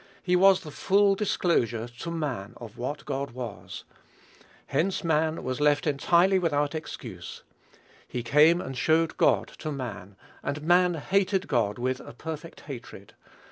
He was the full disclosure to man of what God was. Hence man was left entirely without excuse. He came and showed God to man, and man hated God with a perfect hatred.